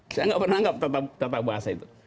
saya nggak pernah anggap tata bahasa itu